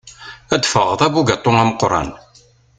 Ad ffɣeɣ d abugaṭu ameqqran.